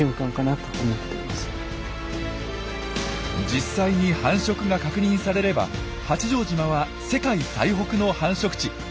実際に繁殖が確認されれば八丈島は世界最北の繁殖地。